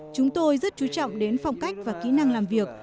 chúng tôi rất chú trọng đến phong cách và kỹ năng làm việc